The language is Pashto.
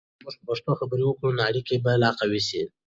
که موږ په پښتو خبرې وکړو، نو اړیکې به لا قوي سي.